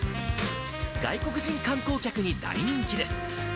外国人観光客に大人気です。